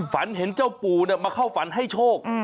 ฝันเห็นเจ้าปู่มาเข้าฝันให้โชค